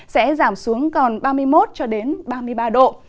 sẽ giảm xuống còn ba mươi một cho đến ba mươi ba độ